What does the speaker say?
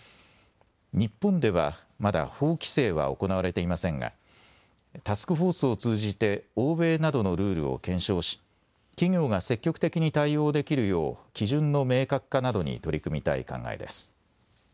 日本では、まだ法規制は行われていませんがタスクフォースを通じて欧米などのルールを検証し企業が積極的に対応できるよう基準の明確化などに取り組みたい考えです。